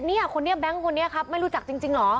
เนี่ยคนนี้แบงค์คนนี้ครับไม่รู้จักจริงเหรอ